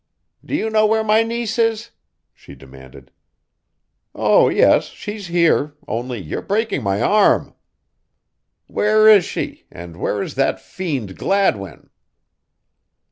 "Do you know where my niece is?" she demanded. "Oh, yes, she's here, only you're breaking my arm." "Where is she and where is that fiend Gladwin?"